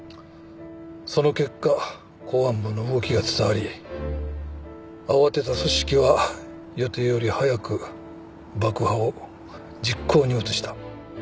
その結果公安部の動きが伝わり慌てた組織は予定より早く爆破を実行に移した。